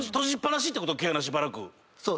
そう。